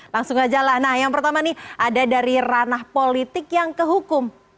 langsung aja lah nah yang pertama nih ada dari ranah politik yang ke hukum